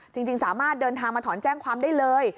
จริงสามารถเดินทางมาถอนแจ้งความได้เลย